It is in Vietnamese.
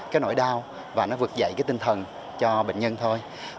cái nỗi đau và nó vực dậy cái tinh thần cho bệnh nhân thôi